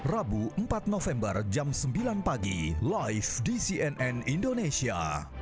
rabu empat november jam sembilan pagi live di cnn indonesia